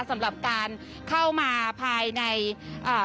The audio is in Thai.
สำหรับการเข้ามาภายในอ่า